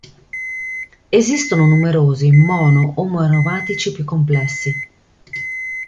Esistono numerosi mono-omoaromatici più complessi.